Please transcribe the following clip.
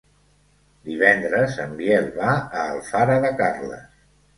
Divendres en Biel va a Alfara de Carles.